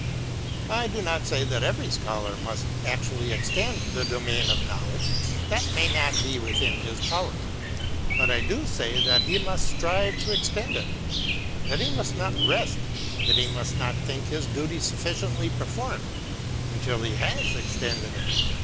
I do not say that every Scholar must actually extend the domain of Knowledge, — that may not be within his power; — but I do say that he must strive to extend it; — that he must not rest, that he must not think his duty sufficiently performed, until he has extended it.